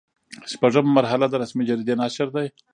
شپږمه مرحله د رسمي جریدې نشر دی.